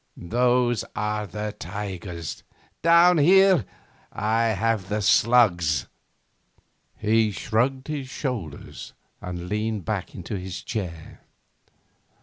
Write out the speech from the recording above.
Those are the tigers; down here I have the slugs!' He shrugged his shoulders and leaned back into his chair.